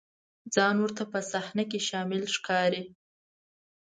ځان ورته په صحنه کې شامل ښکاري.